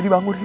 ri bangun ri